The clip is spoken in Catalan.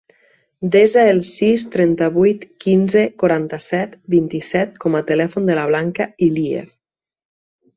Desa el sis, trenta-vuit, quinze, quaranta-set, vint-i-set com a telèfon de la Blanca Iliev.